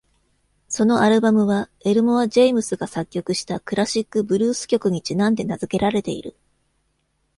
そのアルバムはエルモア・ジェイムスが作曲したクラシックブルース曲にちなんで名づけられている。